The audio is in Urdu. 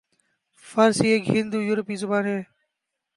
فارسی ایک ہند یورپی زبان ہے